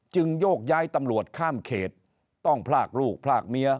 โยกย้ายตำรวจข้ามเขตต้องพลากลูกพลากเมีย